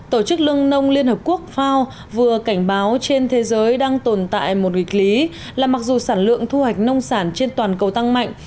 tổ chức lương nông liên hợp quốc fao vừa cảnh báo trên thế giới đang tồn tại một nghịch lý là mặc dù sản lượng thu hoạch nông sản trên toàn cầu tăng mạnh